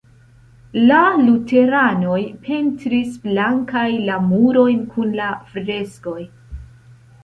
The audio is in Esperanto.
La luteranoj pentris blankaj la murojn kun la freskoj.